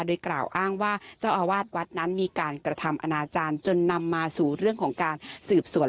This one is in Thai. โดยกล่าวอ้างว่าเจ้าอาวาสวัดนั้นมีการกระทำอนาจารย์จนนำมาสู่เรื่องของการสืบสวน